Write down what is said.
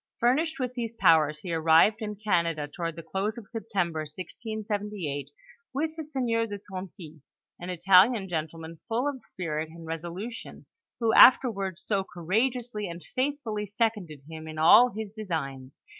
Furnished with these powers, he arrived in Canada toward the close of September, 1678, with the sieur de Tonty, an Italian gentleman, full of spirit and resolution, who after ward so courageously and faithfully seconded him in all his designs.